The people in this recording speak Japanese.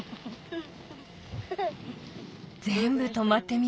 うん。